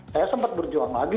saya sempat berjuang lagi